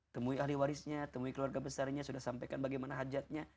temui ahli warisnya temui keluarga besarnya sudah sampaikan bagaimana hajatnya